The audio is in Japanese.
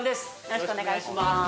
よろしくお願いします